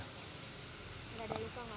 nggak ada luka